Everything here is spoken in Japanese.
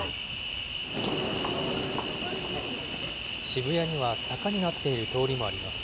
渋谷には坂になっている通りもあります。